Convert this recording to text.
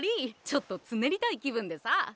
ちょっとつねりたい気分でさ。